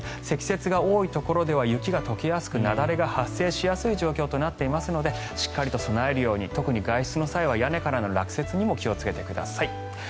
積雪が多いところでは雪が解けやすく雪崩が発生しやすい状況となっていますのでしっかりと備えるように特に外出の際は屋根からの落雪にも気をつけてください。